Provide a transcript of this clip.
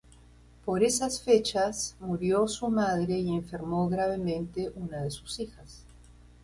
Por esas fechas murió su madre y enfermó gravemente una de sus hijas.